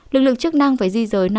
lực lượng chức năng phải di rời